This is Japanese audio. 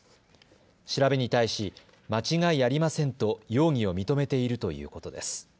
調べに対し間違いありませんと容疑を認めているということです。